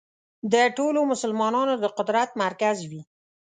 د ټولو مسلمانانو د قدرت مرکز وي.